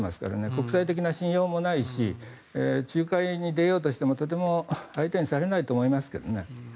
国際的な信用もないし仲介に出ようとしてもとても相手にされないと思いますけどね。